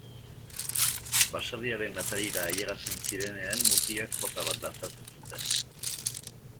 Baserriaren atarira ailegatzen zirenean mutilek jota bat dantzatzen zuten.